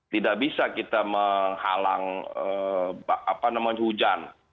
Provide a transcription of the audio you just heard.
tidak bisa kita menghalang hujan